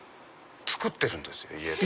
作ってるんですよ家で。